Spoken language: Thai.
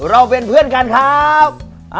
เราเป็นเพื่อนกันครับ